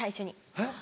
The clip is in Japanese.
えっ？